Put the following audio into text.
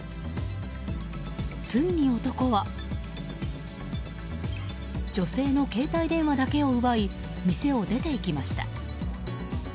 ついに男は女性の携帯電話だけを奪い店を出ていきました。